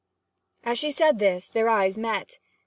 As she said this their eyes met.